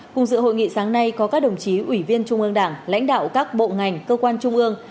cùng dự hội nghị sáng nay có các đồng chí ủy viên trung ương đảng lãnh đạo các bộ ngành cơ quan trung ương